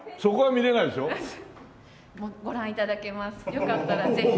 よかったらぜひ。